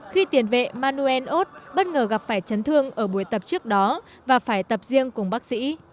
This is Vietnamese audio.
khi tiền vệ manuelos bất ngờ gặp phải chấn thương ở buổi tập trước đó và phải tập riêng cùng bác sĩ